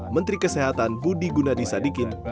menteri kesehatan budi gunadi sadikin